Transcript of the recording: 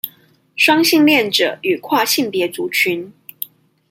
雙性戀者與跨性別族群